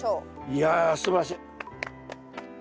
いやすばらしい。